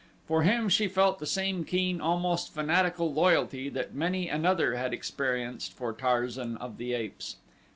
For him she felt the same keen, almost fanatical loyalty that many another had experienced for Tarzan of the Apes.